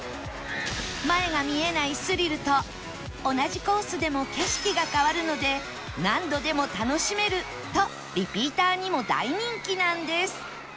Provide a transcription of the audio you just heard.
前が見えないスリルと同じコースでも景色が変わるので何度でも楽しめるとリピーターにも大人気なんです